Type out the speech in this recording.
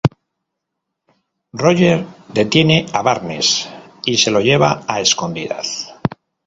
Roger detiene a Barnes y se lo lleva a escondidas.